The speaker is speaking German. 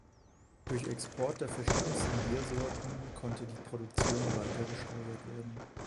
Durch Export der verschiedensten Biersorten konnte die Produktion weiter gesteigert werden.